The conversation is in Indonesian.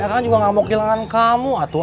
aku kan juga gak mau kehilangan kamu atu